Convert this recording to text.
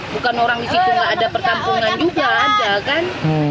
bukan orang di situ nggak ada perkampungan juga ada kan